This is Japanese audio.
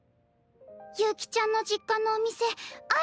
悠希ちゃんの実家のお店あ